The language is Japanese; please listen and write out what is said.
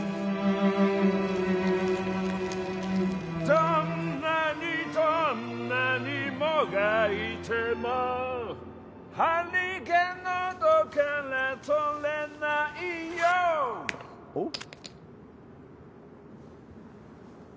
どんなにどんなにもがいてもハリがのどからとれないよおっ？